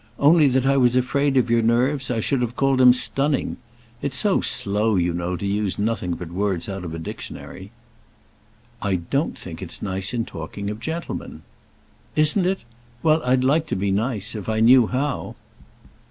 Only that I was afraid of your nerves I should have called him stunning. It's so slow, you know, to use nothing but words out of a dictionary." "I don't think it's nice in talking of gentlemen." "Isn't it? Well, I'd like to be nice if I knew how."